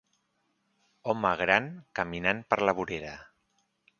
Home gran caminant per la vorera.